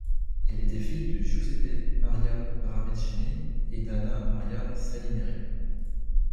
Elle était fille de Giuseppe Maria Paravicini et d'Anna Maria Salineri.